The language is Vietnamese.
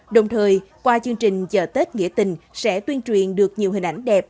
đồng thời qua chương trình chợ tết nghĩa tình sẽ tuyên truyền được nhiều hình ảnh đẹp